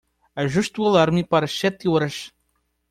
Ajuste o alarme para as sete horas.